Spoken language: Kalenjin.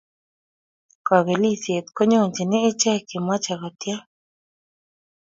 Kapelisiet konyonjini ichek che machei ko tiem